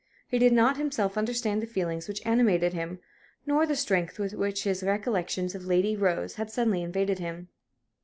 He did not himself understand the feelings which animated him, nor the strength with which his recollections of Lady Rose had suddenly invaded him.